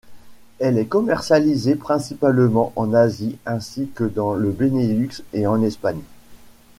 Elle est commercialisée principalement en Asie ainsi que dans le Benelux et en Espagne.